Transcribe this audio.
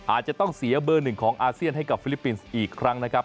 อาจจะต้องเสียเบอร์หนึ่งของอาเซียนให้กับฟิลิปปินส์อีกครั้งนะครับ